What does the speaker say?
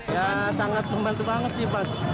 ya sangat membantu banget sih pas